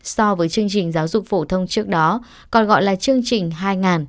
so với chương trình giáo dục phổ thông trước đó còn gọi là chương trình hai nghìn